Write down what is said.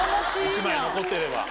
１枚残ってれば。